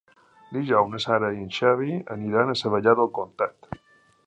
Dijous na Sara i en Xavi aniran a Savallà del Comtat.